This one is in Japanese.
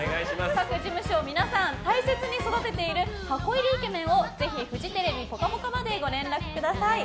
各事務所、皆さん大切に育てている箱入りイケメンをぜひフジテレビ「ぽかぽか」までご連絡ください。